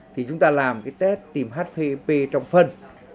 thì chúng ta làm cái test tìm hpvp trong phần